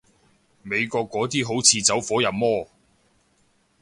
美國嗰啲好似走火入魔